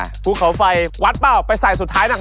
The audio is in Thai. มื้มพวกเขาไฟวัดเปล่าไปใส่สุดท้ายหนัก